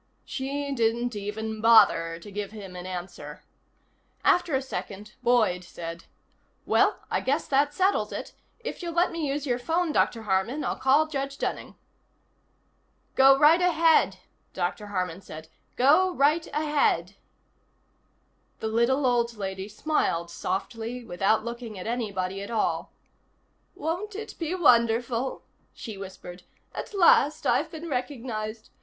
She didn't even bother to give him an answer. After a second Boyd said: "Well, I guess that settles it. If you'll let me use your phone, Dr. Harman, I'll call Judge Dunning." "Go right ahead," Dr. Harman said. "Go right ahead." The little old lady smiled softly without looking at anybody at all. "Won't it be wonderful," she whispered. "At last I've been recognized.